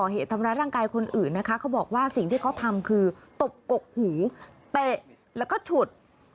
หูเตะแล้วก็ฉุด